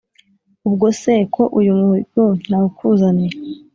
ubwo se ko uyu muhigo nawukuzaniye